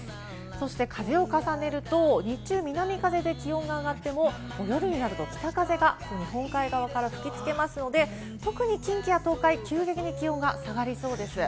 そして風を重ねると、日中、南風で気温が上がっても、夜になると北風が日本海側から吹き付けますので、特に近畿や東海は急激に気温が下がりそうです。